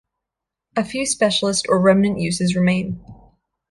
A few specialist or remnant uses remain.